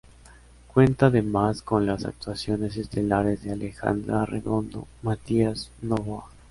Cuenta además con las actuaciones estelares de Alejandra Redondo, Matías Novoa.